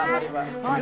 baik baik baik